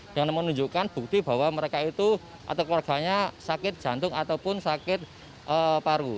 dengan menunjukkan bukti bahwa mereka itu atau keluarganya sakit jantung ataupun sakit paru